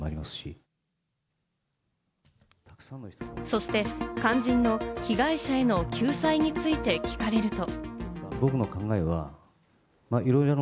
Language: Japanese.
そして肝心の被害者への救済について聞かれると。